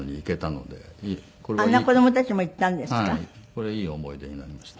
これいい思い出になりました。